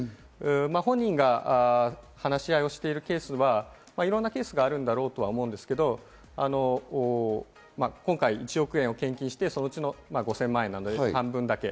本人が話し合いをしているケースはいろんなケースがあるんだろうとは思うんですけど、今回１億円を献金して、そのうちの５０００万円、半分だけ。